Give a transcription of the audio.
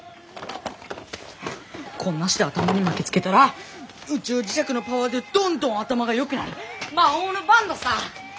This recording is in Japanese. こんなして頭に巻きつけたら宇宙磁石のパワーでどんどん頭がよくなる魔法のバンドさぁ！